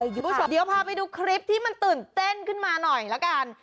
คุณผู้ชมเดี๋ยวพาไปดูคลิปที่มันตื่นเต้นขึ้นมาหน่อยละกัน